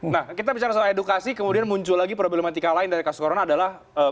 nah kita bicara soal edukasi kemudian muncul lagi problematika lain dari kasus corona adalah